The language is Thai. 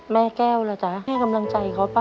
แม่แก้วล่ะจ๊ะให้กำลังใจเขาป่